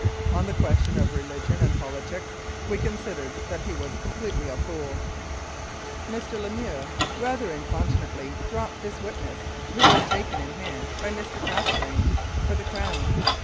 On the question of religion and politics we con sidered that he was completely a fool. Mr. Lemieux rather incontinently dropped this witness, who was taken in hand by Mr. Casgrain for the Crown.